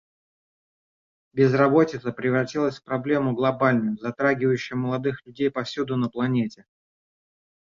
Безработица превратилась в проблему глобальную, затрагивающую молодых людей повсюду на планете.